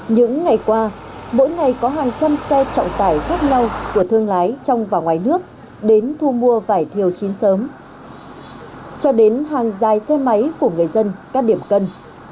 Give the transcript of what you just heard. những ngày qua mỗi ngày có hàng trăm xe trọng tải khác nhau của thương lái trong và ngoài nước đến thu mua vải thiều chín sớm cho đến hàng dài xe máy của người dân các điểm cân